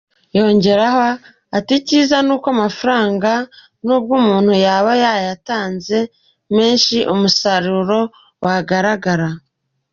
Yongeyeho ati “Icyiza ni uko amafaranga nubwo umuntu yaba yatanze menshi umusaruro uragaragara.